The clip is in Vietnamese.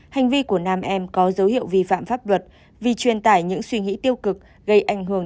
hành vi của nam em có dấu hiệu vi phạm pháp luật vì truyền tải những suy nghĩ tiêu cực gây ảnh hưởng